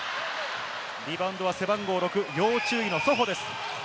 リバウンドは背番号６、要注意のソホです。